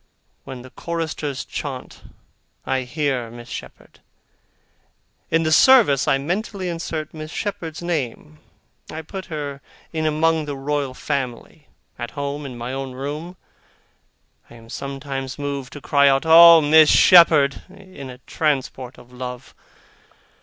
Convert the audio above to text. When the choristers chaunt, I hear Miss Shepherd. In the service I mentally insert Miss Shepherd's name I put her in among the Royal Family. At home, in my own room, I am sometimes moved to cry out, 'Oh, Miss Shepherd!' in a transport of love.